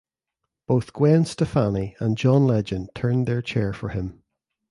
Both Gwen Stefani and John Legend turned their chair for him.